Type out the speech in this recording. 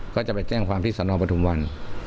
ก็จะไปแจ้งความที่สนปฐุมวัน